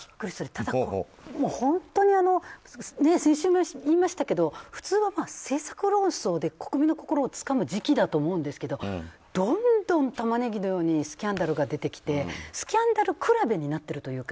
ただ本当に先週も言いましたけど普通は政策論争で国民の心をつかむ時期だと思うんですけどどんどん、タマネギのようにスキャンダルが出てきてスキャンダル比べになっているというか。